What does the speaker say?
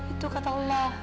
itu kata allah